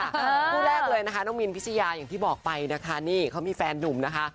คู่แรกเลยนะคะน้องมินพิชยาอย่างที่บอกไปนะคะนี่เขามีแฟนหนุ่มนะคะ